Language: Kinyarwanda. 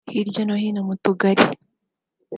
Hirya no hino mu Tugali